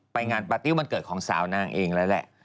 ไปงานปาร์ตี้วันเกิดของสาวนางเองแล้วแหละ